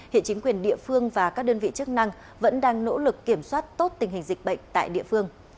hiện chính quyền địa phương và các đơn vị chức năng vẫn đang nỗ lực kiểm soát tốt tình hình dịch bệnh tại địa phương